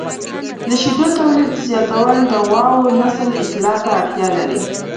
د شیدو تولید زیاتول د غواوو نسل اصلاح ته اړتیا لري.